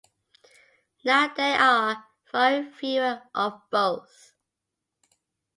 Now there are far fewer of both.